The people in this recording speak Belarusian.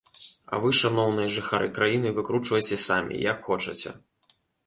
А вы, шаноўныя жыхары краіны, выкручвайцеся самі, як хочаце.